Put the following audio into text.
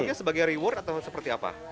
artinya sebagai reward atau seperti apa